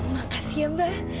makasih ya mbak